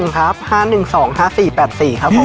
ครับ๕๑๒๕๔๘๔ครับผม